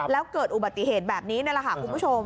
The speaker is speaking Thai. แล้วเกิดอุบัติเหตุแบบนี้นี่แหละค่ะคุณผู้ชม